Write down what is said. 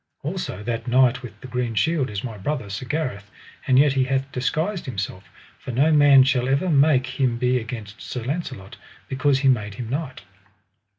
Also that knight with the green shield is my brother, Sir Gareth, and yet he hath disguised himself, for no man shall never make him be against Sir Launcelot, because he made him knight.